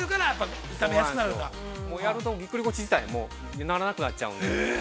やると、ぎっくり腰自体もう、ならなくなっちゃうんで。